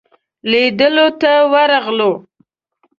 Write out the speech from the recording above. لیدلو ته ورغلو.